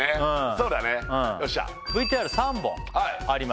そうだねよっしゃーＶＴＲ３本あります